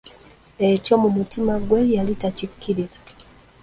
Ekyo mu mutima gwe yali takikkiriza.